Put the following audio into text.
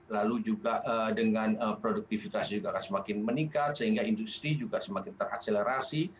lalu juga dengan produktivitas juga akan semakin meningkat sehingga industri juga semakin terakselerasi